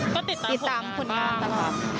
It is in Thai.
ก็ติดตามผลงานมากติดตามผลงานตลอด